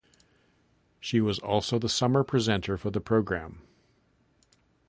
She was also the summer presenter for the program.